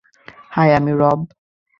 High, আমি রব।